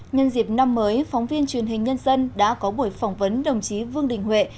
nhân dịp năm mới phóng viên truyền hình nhân dân đã có buổi phỏng vấn đồng chí vương đình huệ